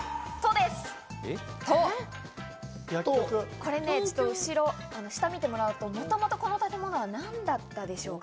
これ下を見てもらうと、もともとこの建物は何だったでしょうか？